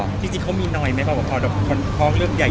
พี่จริงให้คงมีหน่อยเป็นบรรคอุปกรณ์ไหม